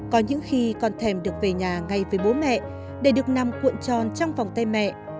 có những khi con thèm được về nhà ngay với bố mẹ để được nằm cuộn tròn trong vòng tay mẹ